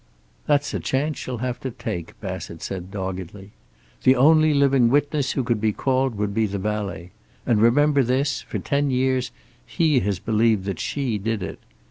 "That's a chance she'll have to take," Bassett said doggedly. "The only living witness who could be called would be the valet. And remember this: for ten years he has believed that she did it.